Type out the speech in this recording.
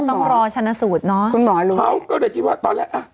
ต้องรอชนะสูตรเนอะคุณหมอรู้เขาก็เลยคิดว่าตอนแรกอ่ะ